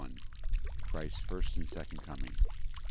Christ's first and second coming.